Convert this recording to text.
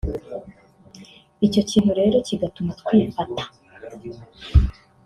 icyo kintu rero kigatuma twifata